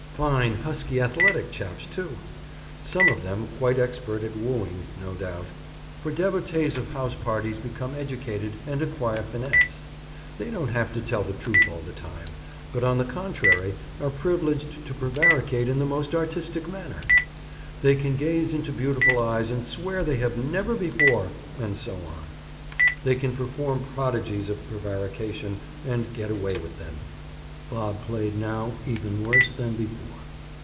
Fine, husky athletic chaps, too! Some of them quite expert at wooing, no doubt, for devotees of house parties become educated and acquire finesse. They don't have to tell the truth all the time, but on the contrary, are privileged to prevaricate in the most artistic manner. They can gaze into beautiful eyes and swear that they have "never before," and so on. They can perform prodigies of prevarication and "get away" with them. Bob played now even worse than before.